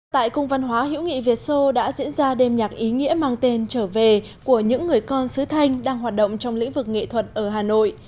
tại cung văn hóa hữu nghị việt sô đã diễn ra đêm nhạc ý nghĩa mang tên trở về của những người con sứ thanh đang hoạt động trong lĩnh vực nghệ thuật ở hà nội